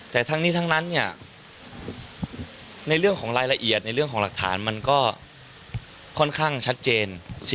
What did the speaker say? แต่ทั้งนี้ทั้งนั้นในเรื่องของรายละเอียดในเรื่องของหลักฐานมันก็ค่อนข้างชัดเจน